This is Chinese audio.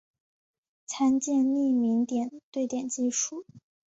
参见匿名点对点技术。